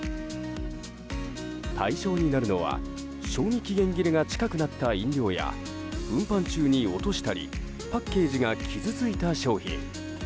対象になるのは賞味期限切れが近くなった飲料や運搬中に落としたりパッケージが傷ついた商品。